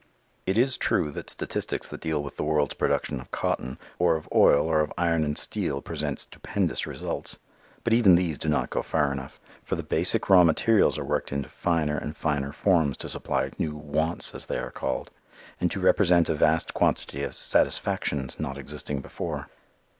It is true that statistics that deal with the world's production of cotton, or of oil, or of iron and steel present stupendous results. But even these do not go far enough. For the basic raw materials are worked into finer and finer forms to supply new "wants" as they are called, and to represent a vast quantity of "satisfactions" not existing before.